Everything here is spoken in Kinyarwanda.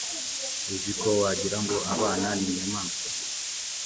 uziko wagirango abana n’inyamaswa